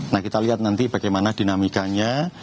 nah kita lihat nanti bagaimana dinamikanya